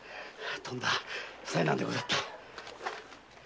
とんだ災難でござった。